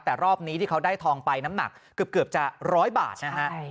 แต่รอบนี้ที่เขาได้ทองไปน้ำหนักเกือบจะร้อยบาทนะฮะ